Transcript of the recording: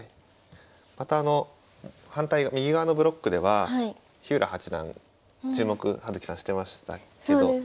またあの右側のブロックでは日浦八段注目葉月さんしてましたけど。